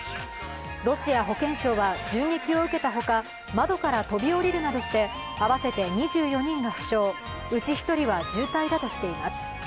ロシア保健省は銃撃を受けた他、窓から飛び降りるなどして合わせて２４人が負傷、うち１人は重体だとしています。